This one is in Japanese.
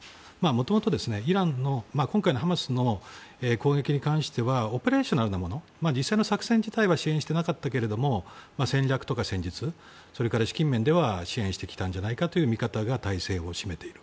もともと今回のハマスの攻撃に関してはオペレーショナルなもの実際の作戦自体は支援していなかったけれども戦略とかそれから資金面では支援してきたんじゃないかという見方が大勢を占めている。